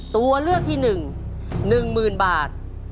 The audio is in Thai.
ตัวเลือกที่๑หนึ่งหมื่นบาท